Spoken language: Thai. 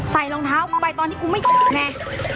ใส่ลองเท้าไปตอนที่กูไม่ไง